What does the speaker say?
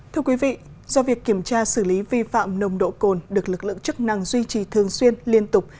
thưa quý vị do việc kiểm tra xử lý vi phạm nồng độ cồn được lực lượng chức năng duy trì thường xuyên liên tục